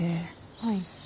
はい。